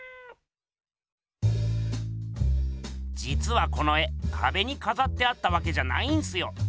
じつはこの絵かべにかざってあったわけじゃないんすよ。